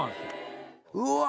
うわ。